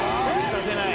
させない。